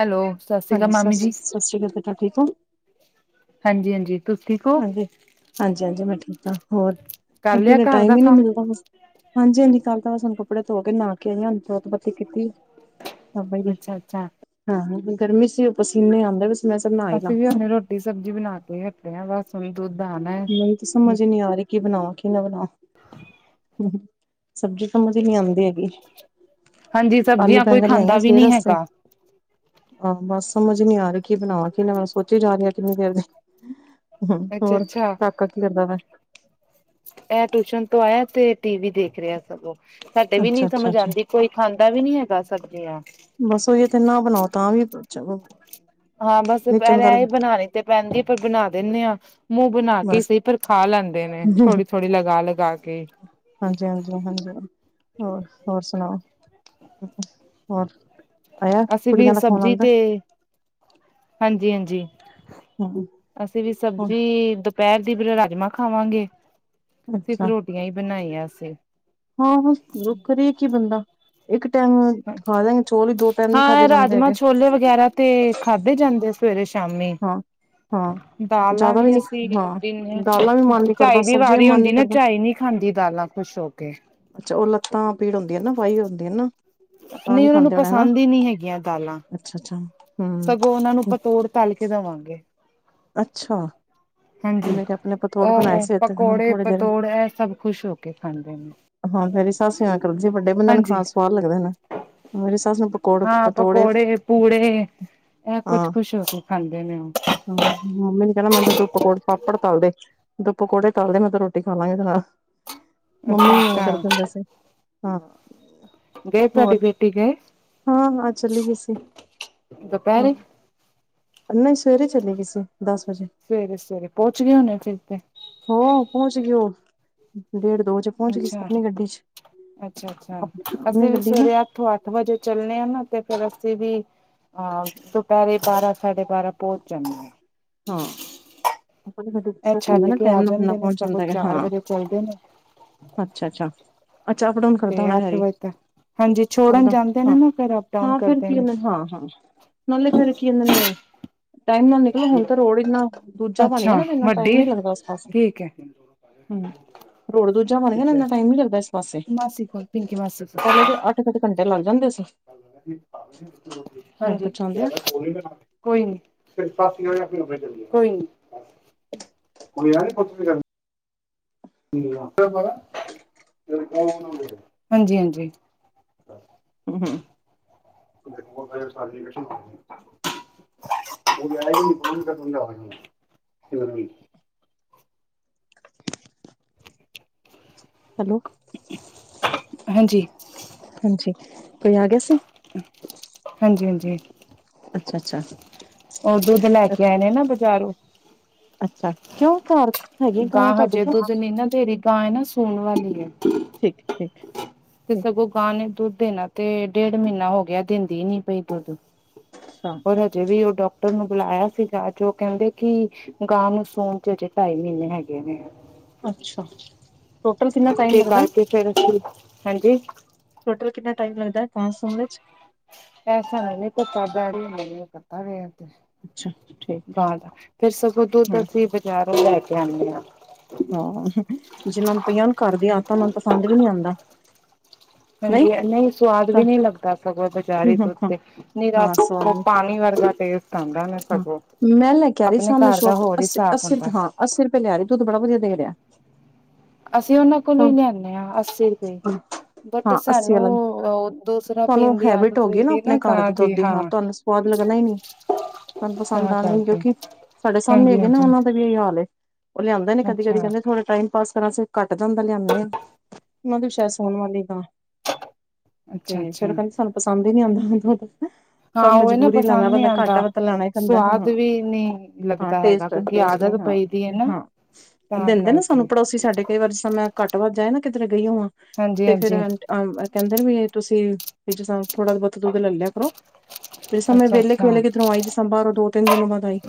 Hello ਸਤਿ ਸ੍ਰੀ ਅਕਾਲ ਹਾਂਜੀ, ਸਤ੍ਰ ਮਾਮੀ ਜੀ ਸਤਿ ਸ਼੍ਰੀ ਅਕਾਲ, ਤੁ ਠੀਕ ਹੋ? ਹਾਂਜੀ-ਹਾਂਜੀ। ਹਾਂਜੀ, ਹਾਂਜੀ-ਹਾਂਜੀ, ਮੈਂ ਠੀਕ ਆਂ ਹੋਰ ਕਰ ਲਿਆ [unintelligible] ਘਰ ਟਾਈਮ ਦਾ ਹੀ ਨਹੀਂ ਕੰਮ ਮਿਲਦਾ ਬ ਹਾਂਜੀ-ਹਾਂਜੀ, ਕੱਲ ਤਾਂ ਸਾਨੂੰ ਕੱਪੜੇ ਧੋ ਕੇ, ਨਾ ਕੇ ਆਈ ਆਂ, ਜੋਤ ਬੱਤੀ ਕੀਤੀ। [unintelligible] ਅੱਛਾ ਅੱਛਾ ਹਾਂ, ਗਰਮੀ ਸੀ ਓ ਪਸੀਨੇ ਆਂਦੇ ਪੇ ਸੀ। ਅਸੀਂ ਵੀ ਆਪਣੀ ਰੋਟੀ ਸਬਜ਼ੀ ਬਣਾ ਕੇ ਹੱਟੇ ਆਂ, ਬਸ ਹੁਨ ਦੁੱਧ ਆਨਾ। ਮੈਨੂੰ ਤਾਂ ਸਮਝ ਨੀ ਆ ਰੀ ਕੀ ਬਣਾ ਕੀ ਨਾ ਬਣਾ ਸਬਜ਼ੀ ਸਮਜ਼ ਨੀ ਆਂਦੀ ਹੈਗੀ। ਹਾਂਜੀ ਆਲੂ ਸਬਜ਼ੀਆਂ ਕੋਈ ਬੈਂਗਣ ਲਿਆਈ ਆਂ ਖਾਂਦਾ ਵੀ ਸਵੇਰ ਨੀ ਅਸਤੇ। ਹੈਗਾ ਹਾਂ ਬਸ ਸਮਝ ਨੀ ਆ ਰੀ ਕੀ ਬਨਾਵਾਂ ਕਿ ਨਾ ਬਸ ਸੋਚੀ ਜਾ ਰਹੀ ਕਿੰਨੀ ਦੇਰ ਦੀ। ਹੁੰ, ਅੱਛਾ ਹੋਰ ਕਾਕਾ ਕੀ ਕਰਦਾ ਪਆ? ਐ ਟਿਊਸ਼ਨ ਤੋਂ ਆਇਆ ਤੇ ਟੀ-ਵੀ ਦੇਖ ਰਿਹਾ ਸਗੋਂ ਸਾਡੇ ਵੀ ਅੱਛਾ ਨੀ ਅੱਛਾ ਸਮਝ ਅੱਛਾ ਆਂਦੀ ਕੋਈ ਖਾਂਦਾ ਵੀ ਨੀ ਹੈਗਾ ਸਬਜ਼ੀਆਂ। ਬਸ ਓਇਓ ਤੇ ਨਾ ਬਨਾਓ ਤਾਂ ਵੀ ਹਾਂ ਬਸ ਪਹਿਲ ਇਹ ਬਨਾਨੀ ਤੇ ਪੈਂਦੀ ਪਰ ਬਨਾ ਦੇਨੇ ਆਂ। ਮੂੰਹ ਬਨਾ ਕੇ ਬਸ ਸੀ ਪਰ ਖਾ ਲੈਂਦੇ ਨੇ ਥੋੜ੍ਹੀ-ਥੋੜ੍ਹੀ ਲਗਾ-ਲਗਾ ਕੇ। ਹਾਂਜੀ, ਹਾਂਜੀ, ਹਾਂਜੀ ਹੋਰ ਹੋਰ ਸੁਣਾਓ। ਹੋਰ ਆਇਆ ਅਸੀਂ ਵੀ ਕੁੜੀਆਂ ਦਾ ਫੋਨ ਸਬਜ਼ੀ ਆਉਂਦਾ ਤੇ ਹਾਂਜੀ, ਹਾਂਜੀ ਅਸੀਂ ਵੀ ਸਬਜ਼ੀ ਦੁਪਹਿਰ ਦੀ ਫਿਰ ਰਾਜਮਾਂ ਖਾਵਾਂਗੇ, ਸਿਰਫ ਅੱਛਾ ਰੋਟੀਆਂ ਹੀ ਬਣਾਈਆਂ ਅਸੀਂ। ਹਾਂ ਹ ਦੁੱਖ ਕਰੇ ਕੀ ਬੰਦਾ ਇੱਕ ਟਾਈਮ ਖਾ ਦਾਂਗੇ ਚੋਲ ਹੀ ਦੋ ਟਾਈਮ ਨੀ ਖਾਧੇ ਹਾਂ ਜਾਂਦੇ ਰਾਜਮਾਂ ਹੈਗੇ ਛੋਲੇ ਵਗੈਰਾ ਤੇ ਖਾਧੇ ਜਾਂਦੇ ਸੀ ਸਵੇਰੇ ਸ਼ਾਮੀ। ਹਾਂ ਹਾਂ ਦਾਲਾਂ ਜ਼ਿਆਦਾ ਵੀ ਨੀ ਅਸੀਂ ਹਾਂ ਦਿਨੇ ਦਾਲਾਂ ਵੀ ਮਨ ਨੀ ਕਰਦਾ ਝਾਈ ਵੀ ਸਬਜ਼ੀਆਂ ਵਾਰੀ ਮਨ ਹੁੰਦੀ ਨੀ ਨਾ ਕਰਦਾ ਝਾਈ ਨੀ ਖਾਂਦੀ ਦਾਲਾਂ ਖੁਸ਼ ਹੋ ਕੇ। ਅੱਛਾ, ਉਹ ਲੱਤਾਂ ਪੀੜ ਹੁੰਦੀਆਂ ਨਾ, ਵਾਈ ਹੁੰਦੀ ਨਾ। ਤਾਂ ਨਹੀਂ ਉਹਨਾਂ ਨੂੰ ਪਸੰਦ ਹੀ ਨਹੀਂ ਹੈਗੀਆਂ ਦਾਲਾਂ। ਅੱਛਾ-ਅੱਛਾ। ਸਗੋਂ ਉਹਨਾਂ ਨੂੰ ਪਤੋੜ ਤਲ ਕੇ ਦਵਾਂਗੇ। ਅੱਛਾ। ਹਾਂਜੀ, ਮੇਰੇ ਆਪਣੇ ਪਤੋੜ ਓ ਬਣਾਏ ਸੀ ਪਕੌੜੇ, ਥੋੜੀ ਦੇਰ ਪਤੋੜ ਇਹ ਸਭ ਖੁਸ਼ ਹੋ ਕੇ ਖਾਂਦੇ ਨੇ। ਹਾਂ ਮੇਰੀ ਸੱਸ ਵੀ ਐਂ ਕਰਦੀ ਸੀ, ਵੱਡੇ ਬੰਦਿਆਂ ਨੂੰ ਹਾਂਜੀ ਖਾਣ ਸਵਾਦ ਲੱਗਦੇ ਨੇ। ਮੇਰੀ ਸੱਸ ਨੂੰ ਪਕੌੜ ਹਾਂ ਪਤੋੜੇ ਪਕੌੜੇ, ਪੂੜੇ ਇਹ ਕੁਝ ਖੁਸ਼ ਹੋ ਕੇ ਖਾਂਦੇ ਨੇ ਓ। ਹੁੰ, ਮੰਮੀ ਨੇ ਕਹਿਣਾ ਮੈਨੂੰ ਤੇ ਤੂੰ ਪਕੌੜ, ਪਾਪੜ ਤਲਦੇ। ਦੋ ਪਕੌੜੇ ਤਾਲ ਦੇ, ਮੈਂ ਤਾਂ ਰੋਟੀ ਖਾ ਲਾਂਗੀ ਏਦੇ ਨਾਲ। ਮੰਮੀ ਅੱਛਾ ਵੀ ਇਵੇਂ ਕਰਦੇ ਅੱਛਾ ਹੁੰਦੇ ਸੀ, ਹਾਂ। ਗਏ ਹੋਰ, ਤੁਹਾਡੀ ਬੇਟੀ ਗਏ ਹਾਂ-ਹਾਂ, ਚਲੀ ਗੀ ਸੀ, ਹਾਂ। ਦੁਪਹਿਰੇ ਨਈ, ਸਵੇਰੇ ਚਲੀ ਗੀਸੀ, ਦਸ ਵਜੇ। ਸਵੇਰੇ-ਸਵੇਰੇ ਪੋੰਚ ਗੇ ਹੋਨੇ ਫੇਰ ਤੇ। ਹੋ, ਪੋਂਚ ਗੇ ਔ ਡੇਢ ਦੋ ਵਜੇ ਪੋੰਚ ਗੀ ਸੀ ਅੱਛਾ ਅਪਣੀ ਗੱਡੀ ਚ, ਅੱਛਾ ਅੱਛਾ ਅਪਨੀ ਅਸੀਂ ਵੀ ਗੱਡੀ ਨਾ। ਸਵੇਰੇ [unintelligible] ਚੱਲਣੇ ਆ ਨਾ, ਤੇ ਫੇਰ ਅਸੀਂ ਵੀ ਹਾਂ, ਦੁਪੈਰੇ ਬਾਰਾਂ, ਸਾਡੇ ਬਾਰਾਂ ਪੋਂਚ ਜਾਂਨੇ ਆ। ਹਾਂ [unintelligible] ਇਹ ਸੁਖ ਛੱਡ ਹੁੰਦਾ ਕੇ ਟੈਮ ਆ ਨਾਲੰ ਬੰਦਾ ਜਾਂਦੇ ਨੇ ਪਹੁੰਚ ਸਗੋਂ ਜਾਂਦਾ ਹੈਗਾ, ਚਾਰ ਹਾਂ। ਵਜੇ ਚੱਲਦੇ ਨੇ ਅੱਛਾ, ਅੱਛਾ, ਅੱਛਾ ਅਪ ਡਾੳਨ ਤੇ ਅੱਠ ਵਜਦਾ ਹਾਂਜੀ ਛੋੜਨ ਡਾਊਨ ਜਾਂਦੇ ਨੇ ਹਾਂ ਨਾ ਫੇਰ ਅਪ-ਡਾਊਨ ਹਾਂ ਫੇਰ ਕਰਦੇ ਕੀ ਨੇ। ਕਹਿੰਦੇ ਹਾਂ ਹਾਂ ਨਾਲੇ ਫੇਰ ਕੀ ਕੈਂਦੇ ਨੇ ਟੈਮ ਨਾਲ ਨਿਕਲੋ ਹੁਣ ਤਾ ਰੋਡ ਇੰਨਾ ਦੂਜਾ ਬਣ ਗਿਆ ਅੱਛਾ ਨਾ ਇੰਨਾ ਟਾਈਮ ਵੱਡੀ ਨੀ ਲੱਗਦਾ ਉਸ ਪਾਸੇ। ਠੀਕ ਐ। ਹੁੰ ਰੋਡ ਦੂਜਾ ਬਨ ਗਿਆ ਨਾ ਇੰਨਾ ਟਾਈਮ ਨੀ ਲੱਗਦਾ ਇਸ ਪਾਸੇ, ਮਾਸੀ ਕੋਲ ਪਿੰਕੀ ਮਾਸੀ ਕੋਲ ਪੈਲੇ ਤੇ ਅੱਠ [unintelligible] ਘੰਟੇ ਲੱਗ ਜਾਂਦੇ ਸੀ। [unintelligible] ਇੱਧਰ ਹਾਂਜੀ। ਜਾਂਦਿਆਂ ਕੋਈ ਨੀ, ਕੋਈ ਨੀ। [inaudible] [unintelligible] ਹਾਂਜੀ-ਹਾਂਜੀ। ਹੁੰ-ਹੁੰ। [unintelligible] [unintelligible] ਹੈਲੋ ਹਾਂਜੀ। ਹਾਂਜੀ, ਕੋਈ ਆ ਗਿਆ ਸੀ। ਹਾਂਜੀ-ਹਾਂਜੀ। ਅੱਛਾ-ਅੱਛਾ। ਔ ਦੁੱਧ ਲੈ ਕੇ ਆਏ ਨੇ ਨਾ ਬਜ਼ਾਰੋ। ਅੱਛਾ, ਕਿਉਂ ਕਰ ਗਾਂ ਹਜੇ ਦੁਧ ਣੀ ਨਾ ਦੇਰੀ ਗਾਂ ਏ ਨਾ ਸੂਣ ਵਾਲੀ ਏ। ਠੀਕ, ਠੀਕ। ਤੇ ਠੀਕ ਸਗੋਂ ਗਾਂ ਨੇ ਦੁੱਧ ਦੇਣਾ ਤੇ ਡੇਢ ਮੀਨਾ ਹੋ ਗਿਆ ਦਿੰਦੀ ਈ ਨੀ ਪਈ ਦੁੱਧ। [inaudible] ਔਰ ਹਜੇ ਵੀ ਔ ਡੋਕਟਰ ਨੂੰ ਬੁਲਾਇਆ ਸੀਗਾ ਜੋ ਔ ਕੈਂਦੇ ਕਿ ਗਾਂ ਨੂੰ ਸੂਣ ਚ ਹਜੇ ਢਾਈ ਮੀਨੇ ਹੈਗੇ ਨੇ। ਅੱਛਾ-ਅੱਛਾ [unintelligible] ਕਰਕੇ ਫੇਰ ਅਸੀ ਹਾਂਜੀ। ਟੋਟਲ ਕਿੰਨਾ ਟਾਈਮ ਲੱਗਦਾ ਐ ਗਾਂ ਸੁਣ ਇਚ? ਐਸਾ ਅੱਛਾ ਠੀਕ [unintelligible] ਹੈ ਗਾਂ ਦਾ, ਫਿਰ ਸਗੋਂ ਦੁੱਧ ਹਮ ਅਸੀਂ ਬਜ਼ਾਰੋਂ ਲੈ ਕੇ ਆਣੇ ਆ। ਹਾਂ ਜਿਨਾਂ ਨੂੰ ਪਈਆਂ ਹੋਣ ਘਰ ਦੀ ਆਦਤਾ ਉਨਾਂ ਨੂੰ ਪਸੰਦ ਵੀ ਨੀ ਆਂਦਾ। ਹਾਂਜੀ ਨਈ ਸਵਾਦ ਵੀ ਹਮ ਨੀ ਲੱਗਦਾ ਸਗੋ ਤੇ। ਬਜਾਰੀ ਦੁਧ ਹਮ ਤੇ ਨਿਰਾ ਹਾਂ ਧੁੰਧ ਪਾਣੀ ਵਰਗਾ ਟੇਸਟਆਦਾ। ਹੁੰ, ਮੈਂ ਲੈ ਕੇ ਆ ਰੀ ਸਾਮਣੇ ਸ਼ੋਪ ਤੋਂ, ਹੋਰ ਹਿਸਾਬ ਅੱਸੀ-ਅੱਸੀ ਰੁਪੇ ਹੁੰਦਾ ਹਾਂ ਅੱਸੀ ਰੁਪੇ ਲੈਰੀ ਦੁਧ ਬੜਾ ਵਧੀਆ ਦੇ ਰਿਆ। ਅਸੀਂ ਔਨਾਂ ਕੋਲੋਂ ਈ ਲਿਆਨੇ ਆ ਅੱਸੀ ਰੁਪਏ। ਬਟ ਹਾਂ ਅੱਸੀ ਵਾਲਾ ਸਾਨੂੰ ਔ ਦੂਸਰਾ ਤੁਹਾਨੂੰ ਪੀਣ ਦੀ ਹੈਬਿਟ ਆਦਤ ਹੋ ਗਈ ਹੋਈ ਦੀ ਆਪਣੇ ਨਾ ਘਰ ਗਾਂ ਦੇ ਦੀ ਦੁੱਧ ਹਾਂ। ਤੁਹਾਨੂੰ ਸਵਾਦ ਲੱਗਣਾ ਈ ਨੀ। ਤੁਹਾਨੂੰ ਪਸੰਦ ਤਾਂ ਆਣਾ ਨੀ, ਕਰਕੇ ਕਿਉਂਕਿ ਸਾਡੇ ਸਾਹਮਣੇ ਹਾਂਜੀ ਹੈਗੇ ਨਾ ਹਾਂਜੀ ਉਹਨਾਂ ਦਾ ਵੀ ਇ ਹਾਲ ਏ। ਉਹ ਲਿਆਂਂਦੇ ਨੇ ਕਦੀ-ਕਦੀ ਅੱਛਾ ਕਹਂਦੇ ਧੋੜਾ ਟਾਈਮ- [unintelligible] ਘੱਟ ਜਾਂਦਾ ਲਿਆਦੇ ਹਾਂ। ਉਹਨਾਂ ਦੀ ਸ਼ਾਇਦ ਸੋਣ ਵਾਲੀਏ ਗਾਂ। ਅੱਛਾ ਤੇ ਅੱਛਾ ਫੇਰ ਉਹ ਕਹਿੰਦੇ ਸਾਨੂੰ ਪਸੰਦ ਹੀ ਨੀ ਆਂਦਾ ਧੁੰਧ ਪਰ ਹਾਂ ਉਹ ਇਹ ਨਾ ਮਜਬੂਰੀ ਲੈਣਾ ਪਸੰਦ ਨਹੀਂ ਪੈਂਦਾ ਘੱਟ ਆਉਂਦਾ ਤੇ ਲੈਣਾ ਹੀ ਪੈਂਦਾ ਸਵਾਦ ਹਾਂ, ਵੀ ਨਹੀਂ ਹਾਂ ਲੱਗਦਾ ਹੈਗਾ ਕਿਉਂਕਿ ਟੇਸਟ-ਟੇਸਟ ਨੀ ਆਦਤ ਹਾਂ ਪਈ ਦੀ ਹੈ ਤੇ ਨਾ ਹਾਂ- ਤਾਂ ਦਿੰਦੇ ਨੇ ਕਰਕੇ ਸਾਨੂੰ ਪੜੋਸੀ ਸਾਡੇ ਕਈ ਵਾਰੀ ਜਿਸਰਾ ਮੈਂ ਘੱਟ ਵੱਧ ਜਾਏ ਨਾ ਕਿਧਰੇ ਗਈ ਹੋਵਾਂ ਹਾਂਜੀ ਤੇ ਫੇਰ ਹਾਂਜੀ ਆ ਕਹਿੰਦੇ ਨੇ ਵੀ ਤੁਸੀਂ ਥੋੜਾ ਬੱਹੁਤ ਦੁੱਧ ਲੈ ਲਿਆ ਕਰੋ। ਫੇ ਸਮੇਂ ਅੱਛਾ ਵਿਹਲੇ ਅੱਛਾ ਕਵੇਲੇ ਕਿਧਰੋਂ ਆਈ ਸੀ ਬਾਹਰੋਂ ਦੋ ਤਿੰਨ ਦਿਨ ਬਾਦ ਆਈ।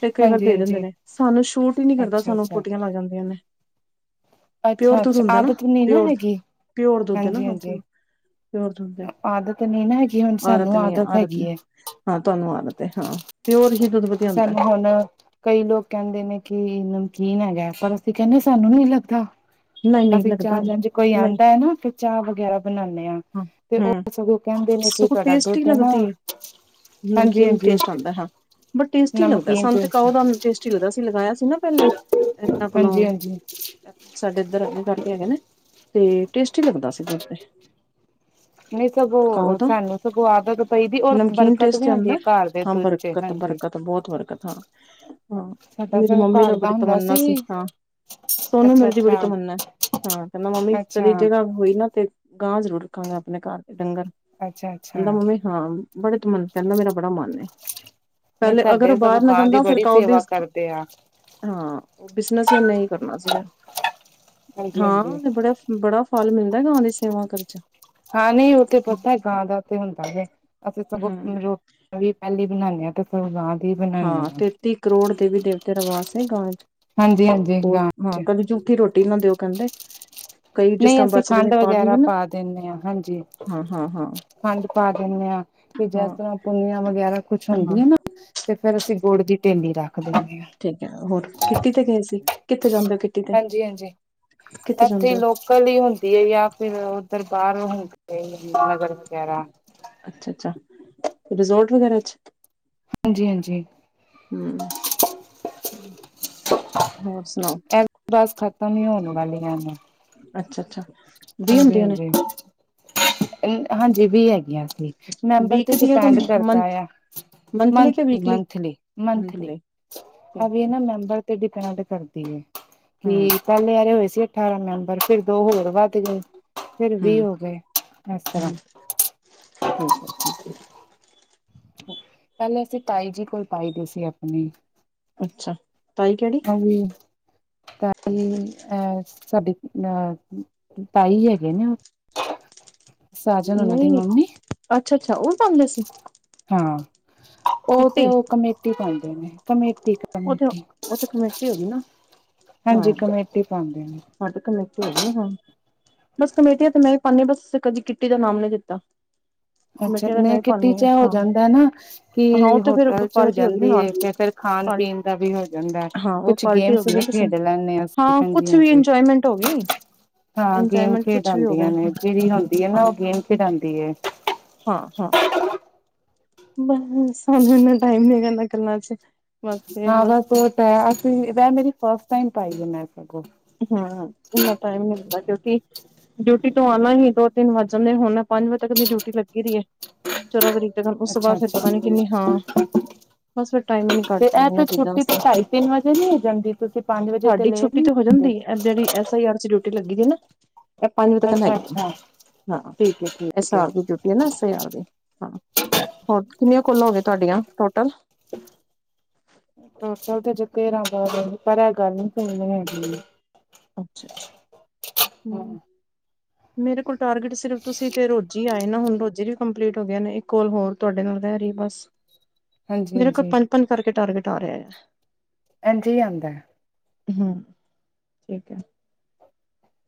ਤੇ ਕਈ ਵਾਰ ਹਾਂਜੀ ਦੇ ਹਾਂਜੀ ਦਿੰਦੇ ਨੇ ਸਾਨੂੰ ਛੂਟ ਹੀ ਨਹੀਂ ਕਰਦਾ ਅੱਛਾ ਸਾਨੂੰ ਅੱਛਾ ਪੋਟੀਆਂ ਲੱਗ ਜਾਂਦੀਆਂ ਨੇ। ਪਿਓਰ ਅੱਛਾ ਦੁੱਧ ਅੱਛਾ ਹੁੰਦਾ ਨਾ, ਆਦਤ ਨੀ ਪਿਓਰ, ਹੈਗੀ ਪਿਓਰ ਦੁੱਧ ਨਾ ਹਾਂਜੀ ਹਾਂਜੀ ਪਿਓਰ। ਪਿੳਰ ਦੁੱਧ ਹੈ ਆਦਤ ਨੀ ਨਾ ਹੈਗੀ ਹੁਣ ਆਰਤ ਸਾਨੂੰ ਨੀ ਆਦਤ ਆਰਤ ਹੈਗੀ ਹੈ ਹਾਂ ਤੁਹਾਨੂੰ ਆਦਤ ਹੈ। ਹਾਂ ਪਿਓਰ ਹੀ ਦੁੱਧ ਵਧੀਆ ਹੁੰਦਾ ਸਾਨੂੰ ਹੈ ਨਾ ਕਈ ਲੋਕ ਕਹਿੰਦੇ ਨੇ ਕਿ ਨਮਕੀਨ ਹੈਗਾ। ਪਰ ਅਸੀਂ ਕਹਿੰਦੇ ਸਾਨੂੰ ਨੀ ਲੱਗਦਾ। ਨਹੀਂ ਨਹੀਂ ਅਸੀਂ ਲੱਗਦਾ ਚਾਹ ਨੀ ਜਿੰਜ ਕੋਈ ਨਹੀਂ ਆਉਂਦਾ ਹੈਨਾ ਤੇ ਚਾਹ ਵਗੈਰਾ ਬਣਾਉਦੇ ਹਾਂ। ਤੇ ਉਹ ਸਗੋਂ ਕਹਿੰਦੇ ਨੇ ਕਿ ਸਗੋਂ ਤੁਹਾਡਾ ਟੇਸਟੀ ਦੁਧ ਨਾ ਲੱਗਦੀ ਹੈ ਹਾਂਜੀ ਨਮਕੀਨ ਹਾਂਜੀ ਟੇਸਟ ਆਂਦਾ ਹਾਂ। ਬਸ ਟੇਸਟੀ ਲੱਗਦਾ ਨਮਕੀਨ ਸਾਨੂੰ ਤੇ ਟੇਸਟ ਕਾਓ ਦਾ ਟੇਸਟੀ ਲੱਗਦਾ ਅਸੀਂ ਲਗਾਇਆ ਸੀ ਨਾ ਪਹਿਲੇ ਇਹਨਾਂ ਕੋਲੋਂ। [unintelligible] ਸਾਡੇ ਇੱਧਰ ਅੱਗੇ ਕਰਕੇ ਹੈਗੇ ਨੇ ਤੇ ਟੇਸਟੀ ਲੱਗਦਾ ਸੀਗਾ ਦੁੱਧ ਤੇ। ਨਹੀਂ ਕਾਓ ਸਗੋਂ ਦਾ ਸਾਨੂੰ ਸਗੋਂ ਆਦਤ ਪਈਦੀ ਔਰ ਨਮਕੀਨ ਬਰਕਤ ਟੇਸਟ ਵੀ ਤੇ ਹੁੰਦੀ ਹੈ ਆਉਂਦਾ ਘਰ ਦੇ ਹਾਂ ਦੁੱਧ ਚ ਬਰਕਤ ਹਾਂਜੀ। ਬਰਕਤ ਬਹੁਤ ਫਰਕਤ ਹਾਂ, ਹਾਂ ਸਾਡਾ ਮੇਰੀ ਸਗੋਂ ਮੰਮੀ ਦਾ ਘਰ ਬੜੀ ਹੁੰਦਾ ਤਮੰਨਾ ਸੀ ਹਾਂ ਸੋਨੂੰ ਅੱਛਾ ਮੇਰੇ ਦੀ ਬੜੀ ਅੱਛਾ ਤਮੰਨਾ ਹੈ ਹਾ ਕਹਿੰਦਾ ਮੰਮੀ ਅੱਛਾ, ਕਦੀ ਜਗਾ ਹੋਈ ਨਾ ਤੇ, ਗਾਂ ਜ਼ਰੂਰ ਰੱਖਾਂਗੇ ਆਪਣੇ ਘਰ ਤੇ ਡੰਗਰ। ਅੱਛਾ ਅਛਾ। ਕਹਿੰਦਾ ਮੰਮੀ ਹਾਂ ਬੜੇ ਤਮਨ ਕਹਿੰਦਾ ਮੇਰਾ ਬੜਾ ਮਨ ਹੈ। ਨਹੀਂ ਪਹਿਲੇ ਅਗਰ ਸਾਡੇ ਉਹ ਸਗੋਂ ਬਾਹਰ ਨਾ ਗਾਂ ਦੀ ਜਾਂਦਾ, ਫਿਰ ਬੜੀ ਕਾਓ ਵੀ ਸੇਵਾ ਕਰਦੇ ਆ। ਹਾਂ, ਉਹ ਬਿਜਨਸ ਹੀ ਉਹ ਨੇ ਹੀ ਕਰਨਾ ਸੀਗਾ। ਹਾਂਜੀ, ਹਾਂਜੀ ਹਾਂ, ਤੇ ਬੜਾ ਬੜਾ ਫਲ ਮਿਲਦਾ ਗਾ ਦੀ ਸੇਵਾ ਕਰਨ ਚ। ਹਾਂ, ਨਹੀਂ ਉਹ ਤੇ ਪਤਾ ਹੈ ਗਾਂ ਦਾ ਤੇ ਹੁੰਦਾ ਹੈ, ਅਸੀਂ ਸਗੋਂ ਹਮ ਰੋ ਟਿ ਪਹਿਲੀ ਬਣਾਉਨਦੇ ਆਾਂ ਤੇ ਫੇਰ ਗਾ ਨੂੰ ਹਾਂ, ਤੇਤੀ ਕਰੋੜ ਦੇਵੀ ਦੇਵਤੇ ਦਾ ਵਾਸ ਵੇ ਗਾਂ ਵੇਚ। ਹਾਂਜੀ, ਹਾਂਜੀ ਗਾਂ ਹਾਂ, ਚ ਕਦੀ ਝੂਠੀ ਰੋਟੀ ਨਾ ਦਿਓ ਕਹਿੰਦੇ। ਕਈ ਜਿਸ ਨਹੀਂ ਤਰ੍ਹਾਂ ਅਸੀਂ ਬਚਰੇ ਦੇ ਖੰਡ ਵਗੈਰਾ ਦਿੰਦੇ ਨਾ ਪਾ ਦਿੰਦੇ ਹਾਂ ਹਾਂਜੀ। ਹਾਂ ਹਾਂ ਹਾਂ ਖੰਡ ਪਾ ਦਿੰਨੇ ਆ ਤੇ ਹਾਂ ਜਿਸ ਤਰ੍ਹਾਂ ਪੂਨਿਆਂ ਵਗੈਰਾ ਕੁੱਛ ਹਾਂ ਹੁੰਦੀਆਂ ਨਾ ਤੇ ਫੇਰ ਅਸੀਂ ਗੁੜ ਦੀ ਢੇਲੀ ਰੱਖ ਦਿੰਦੇ ਹਾਂ। ਠੀਕ ਹੈ, ਹੋਰ ਕਿੱਟੀ ਤੇ ਗਏ ਸੀ? ਕਿੱਥੇ ਜਾਂਦੇ ਹੋ? ਤੇ ਹਾਂਜੀ ਹਾਂਜੀ ਕਿੱਥੇ ਇੱਥੇ ਜਾਂਦੇ ਹੋ ਲੋਕ ਕਲੀ ਹੁੰਦੀ ਹੈ, ਜਾਂ ਫਿਰ ਉੱਧਰ ਬਾਹਰ ਹੁੰਦੀ ਹੈ ਨਗਰ ਵਗੈਰਾ। ਅੱਛਾ ਅੱਛਾ ਤੇ ਰਿਜੋਰਟ ਵਗੈਰਾ ਚ? ਹਾਂਜੀ ਹਾਂਜੀ। ਹਮ, ਹੋਰ ਸੁਣਾਓ? ਬਸ, ਖਤਮ ਹੀ ਹੋਣ ਵਾਲੀਆਂ ਨੇ। ਅੱਛਾ ਅੱਛਾ। ਵੀਹ ਹਾਂਜੀ ਹੁੰਦੀਆਂ ਨੇ ਹਾਂਜੀ ਹਾਂਜੀ ਵੀ ਹੈਗੀਆਂ ਅਸੀ ਮੈਂਬਰ ਤੇ ਵੀਕ ਦੀਆਂ ਕਿ ਡਿਪੈਂਡ ਕਰਦਾ ਮੰਥ ਆ। ਕਿ ਮੰਥਲੀ ਵੀਕਲੀ ਮੰਥਲੀ ਮੰਥਲੀ ਠੀਕ ਆਭੀ ਹੈ ਨਾ ਮੈਂਬਰ ਡਿਪੈਂਡ ਕਰਦੀ ਹੈ। ਕਿ ਹਮ ਪਹਿਲੇ ਆਲੇ ਹੋਏ ਸੀ ਅਠਾਰਾਂ ਮੈਂਬਰ ਫਿਰ ਦੋ ਹੋਰ ਵੱਧ ਐ ਹਮ, ਤਰ੍ਹਾਂ ਠੀਕ ਹੈ ਓਕ ਪਹਿਲੇ ਅਸੀਂ ਤਾਈ ਜੀ ਕੋਲ ਪਾਈ ਦੇ ਸੀ ਆਪਣੀ ਅੱਛਾ ਤਾਈ ਕਿਹੜੀ? ਵੀ ਤਾਇ ਸਾਡੇ ਅਹ ਤਾਈ ਹੈਗੇ ਨੇ ਉਹ। ਨਹੀਂ ਅੱਛਾ ਅੱਛਾ ਉਹ ਪਾਉਂਦੇ ਸੀ। ਹਾਂ ਉਹ ਤੇ ਕਿੱਟੀ ਉਹ ਕਮੇਟੀ ਪਾਉਂਦੇ ਨੇ ਕਮੇਟੀ ਉਹ ਤੇ ਕਮੇਟੀ ਉਹ ਤੇ ਕਮੇਟੀ ਹੋ ਗਈ ਨਾ ਹਾਂਜੀ ਕਮੇਟੀ ਪਾਉਂਦੇ ਨੇ। ਹੁਣ ਤੇ ਕਮੇਟੀ ਹੈਗੀ ਨਾ ਹਾ ਬਸ ਕਮੇਟੀਆ ਤੇ ਮੈਂ ਵੀ ਪਾਂਦੀ ਬੱਸ ਕਿੱਟੀ ਦਾ ਨਾਮ ਨੀ ਦਿੱਤਾ। ਅੱਛਾ ਕਮੇਟੀ ਤੇ ਮੈਂ ਹੀ ਨਹੀਂ ਕਿੱਟੀ ਪਾਂਉਣੀ ਚ ਹੋ ਹਾਂ ਜਾਂਦਾ ਨਾ ਹਾਂ ਉਹ ਕਿ ਤੇ ਫਿਰ ਹੋਟਲ ਚ ਹੋ ਪਰਚੀ ਹੋਗੀ ਜਾਂਦੀ ਨਾਲ। ਹੈ ਤੇ ਫਿਰ ਖਾਣ ਪੀਣ ਦਾ ਵੀ ਹੋ ਜਾਂਦਾ ਹਾਂ ਉਹ ਕੁਛ ਪਾਰਟੀ ਹੋ ਗੇਮਸ ਗਈ ਵੀ ਨਾ ਕਿਸ ਖੇਡ ਲੈਂਦੇ ਅਸੀਂ ਹਾਂ ਹਾਂਜੀ ਕੁਛ ਵੀ ਹਾਂਜੀ ਇੰਜੋਏਮੈਂਟ ਹੋ ਗਈ। ਹਾਂ ਗੇਮ ਇੰਜੋਏਮੈਂਟ ਕੁਛ ਵੀ ਹੋ ਗਿਆ ਖੇਡਉਂਦੀਆਂ ਨੇ ਜਿਹੜੀ ਹੁੰਦੀ ਹੈ ਨਾ ਉਹ ਗੇਮ ਖੇਡਾਂਉਂਦੀ ਹੈ। ਹਾਂ-ਹਾਂ। ਬਸ ਸਾਨੂੰ ਇੰਨਾ ਟਾਈਮ ਨੀ ਹੈਗਾ ਕੰਮਾ ਚ। ਬਸ ਤੇ ਹਾਂ ਬਸ ਉਹ ਤਾਂ ਅਸੀਂ ਮੇਰੀ ਫਸਟ ਟਮ ਪਾਈ ਆ ਮੈਂ ਸਗੋਂ। ਹਸ ਇੰਨਾ ਟਾਈਮ ਨੀ ਹੁੰਦਾ ਕਿਉਂਕਿ ਡਿਊਟੀ ਤੋਂ ਆਉਣਾ ਹੀ ਦੋ ਤਿੰਨ ਵੱਜ ਜਾਂਦੇ ਹੁਣ ਪੰਜ ਵਜੇ ਤੱਕ ਦੀ ਡਿਊਟੀ ਲੱਗੀ ਦੀ ਹੈ ਚੌਦਾਂ ਤਰੀਕ ਤੇ ਉਸ ਤੋਂ ਅੱਛਾ ਬਾਅਦ ਫਿਰ ਅੱਛਾ ਪਤਾ ਨੀ ਕਿੰਨੀ ਹਾਂ ਬਸ ਫਿਰ ਟਾਈਮ ਹੀ ਨੀ ਕੱਢ ਤੇ ਪਾਉਂਦੇ ਇਹ ਇਹਨਾਂ ਤੇ ਚੀਜ਼ਾਂ ਛੁੱਟੀ ਤੇ ਵਾਸਤੇ ਢਾਈ ਤਿੰਨ ਵਜੇ ਨੀ ਹੋ ਜਾਂਦੀ ਤੁਸੀਂ ਪੰਜ ਵਜੇ ਤੇ ਸਾਡੀ ਲੇਟ ਛੁੱਟੀ ਨੀ ਤੋਂ ਹੋ ਹੁੰਦੇ ਜਾਂਦੀ ਜਿਹੜੀ ਐਸ ਆਈ ਆਰ ਚ ਡਿਊਟੀ ਲੱਗੀ ਹ ਸੀ ਨਾ। ਇਹ ਪੰਜ ਵਜੇ ਤੱਕ ਨਾ ਅੱਛਾ ਹੈਗੀ ਅੱਛਾ ਹਾਂ ਠੀਕ ਹੈ ਐਸ ਠੀਕ ਹੈ ਆਰ ਦੀ ਹਾਂ। ਹੋਰ ਕਿੰਨੀਆਂ ਕਾਲ਼ਾ ਹੋ ਗਏ ਤੁਹਾਡੀਆਂ ਟੋਟਲ? [unintelligible] ਪਰ ਇਹ ਗੱਲ ਨੀ ਕਰਨੀ ਹੈਗੀ ਹੈ। ਅੱਛਾ-ਅੱਛਾ ਹਮ। ਹਾਂ ਮੇਰੇ ਕੋਲ ਟਾਰਗੇਟ ਸਿਰਫ ਤੁਸੀਂ ਤੇ ਰੋਜੀ ਆਏ ਨਾ ਹੁਣ ਰੋਜੀ ਵੀ ਕੰਪਲੀਟ ਹੋ ਗਏ ਨੇ ਇਹ ਕੋਲ ਹੋਰ ਤੁਹਾਡੇ ਨਾਲ ਹੀ ਬਸ। ਹਾਂਜੀ ਮੇਰਾ ਕੋਲ ਹਾਂਜੀ ਪੰਜ-ਪੰਜ ਕਰਕੇ ਟਾਰਗੇਟ ਆ ਰਿਹਾ ਹੈ। ਇੰਝ ਹੀ ਆਉਦਾ। ਹਮ ਠੀਕ ਹੈ।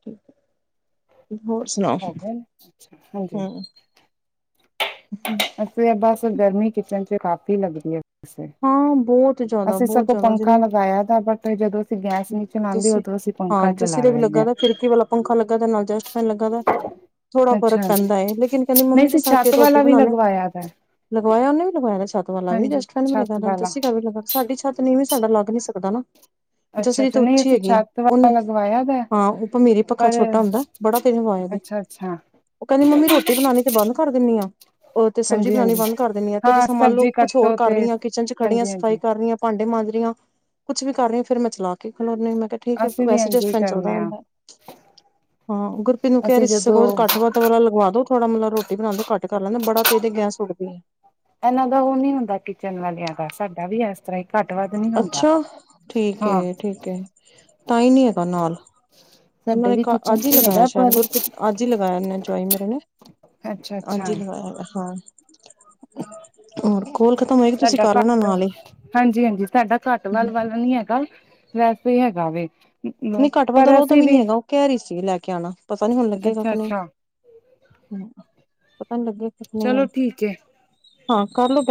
ਠੀਕ ਹੈ ਹੋਰ ਸੁਣਾਓ। ਹੋ ਗਿਆ ਅੱਛਾ, ਹਾਂਜੀ। ਹਮ। ‍ਇੱਥੇ ਬਸ ਗਰਮੀ ਕਿਚਨ ਚ ਕਾਫੀ ਲੱਗਦੀ ਹੈ। ਵੈਸੇ ਹਾਂ ਬਹੁਤ ਜ਼ਿਆਦਾ, ਬਹੁਤ ਜ਼ਿਆਦਾ ਜਿਨ ਪਾਇਆ‌ ਤਾਂ ਆਪਾਂ [inaudible] ਪੰਖਾ ਚਲਾ ਮੈਨੂੰ ਲੈਂਦੇ ਲੱਗਾ ਥੋੜਾ ਹਾਂ ਫਰਕ ਅੱਛਾ ਪੈਂਦਾ ਲੇਕਿਨ ਕਹਿੰਦੀ ਨਹੀਂ ਮੰਮੀ ਜੋ ਅਸੀਂ ਸਾਕੇ ਛੱਤ ਰੋਟੀ ਵਾਲਾ ਵੀ ਬਣਾਣੇ। ਲਗਵਾਇਆ ਦਾ ਲਗਵਾਇਆਂ ਉਹਨੇ ਵੀ ਲਗਇਆ ਛੱਤ ਵਾਲਾ ਵੀ ਹਾਂਜੀ ਰੈਸਟੂਰੈਂਟ ਵੀ ਲੱਗਾ ਛੱਤ ਲਣਾ ਵਾਲਾ ਦੱਸੀ ਘਰ ਵੀ ਲੱਗਾ ਸਾਡੀ ਛੱਤ ਨੀਂਵੀ ਸੀ। ਸਾਡਾ ਲੱਗ ਨੀ ਸਕਦਾ ਨਾ। ਅੱਛਾ ਜਸਰੀ ਅੱਛਾ ਤਾਂ ਨਹੀਂ ਉੱਚੀ ਅਸੀਂ ਹੈਗੀ ਹੈ ਛੱਤ ਉਹਨੇ ਵਾਲਾ ਲਗਵਾਇਆ ਦਾ ਹਾਂ ਉਹ ਭਮੀਰੀ ਪੱਖਾ ਪਰ ਛੋਟਾ ਹੁੰਦਾ। ਬੜਾ ਤੇਜ ਹਵਾ ਆਦੀ। ਅੱਛਾ ਅੱਛਾ ਉਹ ਕਹਿੰਦੀ ਮੰਮੀ ਰੋਟੀ ਬਣਾਉਣੀ ਤੇ ਬੰਦ ਕਰ ਦਿੰਦੀ ਆ। ਉਹ ਤੇ ਸਬਜ਼ੀ ਹਾਂਜੀ ਬਣਾਣੀ ਹਾਂਜੀ ਬੰਦ ਕਰ ਦੇਿੰਦੀ ਆ। ਤੇ ਜਿਸ ਹਾਂ ਤਰ੍ਹਾਂ ਮੰਨ ਲਓ ਸਬਜ਼ੀ ਕੁੱਛ ਹੋਰ ਕੱਟੋ ਕਰ ਤੇ ਰਹੀ ਹਾਂ, ਕਿਚਨ ਚ' ਖੜੀਆਂ ਹਾਂਜੀ ਸਫ਼ਾਈ ਹਾਂਜੀ ਕਰ ਰਹੀਆਂ। ਭਾਂਡੇ ਮਾਂਜ ਰਹੀਆਂ, ਕੁੱਛ ਵੀ ਕਰ ਰਹੀ ਫੇਰ ਮੈਂ ਚਲਾ ਕੇ ਖਲਾਉਂਦੀ ਹਾ ਮੈਂ। ਠੀਕ ਹੈ ਅਸੀਂ ਵੀ ਵੈਸੇ ਇੰਝ ਜਸਟ ਹੀ ਫੈਨ ਚੱਲਦਾ ਕਰਨੇ ਆ ਰਹਿੰਦਾ। ਹਾਂ, ਗੁਰਪੀਤ ਨੂੰ ਕਹਿ ਅਸੀਂ ਰਹੀ ਸੀ ਜਦੋਂ ਸਪੋਸ ਘੱਟ ਵੱਧ ਲਗਵ ਦੋ ਥੋੜਾ-ਬਹੁਤ ਮਤਲਬ ਰੋਟੀ ਬਣਾਉਦੇ ਘੱਟ ਕਰ ਲੈਂਦੇ। ਬੜਾ ਤੇਜ਼ ਤੇ ਗੈਸ ਉੱਡਦੀ ਹੈ। ਇਹਨਾਂ ਦਾ ਉਹ ਨੀ ਹੁੰਦਾ ਕਿਚਨ ਵਾਲਿਆਂ ਦਾ ਸਾਡਾ ਵੀ ਇਸ ਤਰ੍ਹਾਂ ਹੀ ਘੱਟ ਵੱਧ ਨੀ ਹੁੰਦਾ। ਅੱਛਾ ਠੀਕ ਹਾਂ ਠੀਕ ਹੈ। ਤਾਂ ਹੀ ਨਹੀਂ ਹੈਗਾ ਨਾਲ। ਉਹਨਾਂ ਸਾਡੇ ਨੇ ਵੀ ਕਿਚਨ ਅੱਜ ਹੀ ਚ ਲਗਾਇਆ, ਹੈਗਾ ਸ਼ਾਇਦ ਪਰ ਗੁਰਪ੍ਰੀਤ ਅੱਜ ਹੀ ਲਗਾਇਆ ਜਵਾਈ ਮੇਰੇ ਨੇ। ਅੱਛਾ ਅੱਛਾ ਹਾਂਜੀ, ਲਵਾਂਇਆ ਹੈਗਾ ਹਾਂ। ਹੋਰ ਕੋਲ ਖਤਮ ਹੋਏਗੀ ਤੁਸੀਂ ਸਾਡਾ ਕਰ ਲੈਣਾ ਘੱਟ ਨਾਲ ਹੀ ਹਾਂਜੀ- ਹਾਂਜੀ ਸਾਡਾ ਘੱਟ ਵੱਲ- ਵੱਲ ਨੀ ਹੈਗਾ। ਵੈਸੇ ਹੀ ਹੈਗਾ ਵ। ਨਹੀਂ ਘੱਟ-ਵਾਦ ਵਾਲਾ ਓ ਤਾਂ ਵੀ ਹੈਗਾ। ਉਹ ਘਹਿ ਰਰੀ ਸੀ ਲੈ ਕੇ ਆਉਣਾ। ਪਤਾ ਨੀ ਹੁਣ ਲੱਗੇਗਾ ਅੱਛਾ ਕਿ ਨਹੀਂ ਅੱਛਾ ਹਮ ਪਤਾ ਨੀ ਲੱਗੇ। ਚਲੋ ਠੀਕ ਏ ਹਾਂ, ਕਰ ਲੈ ਬੈ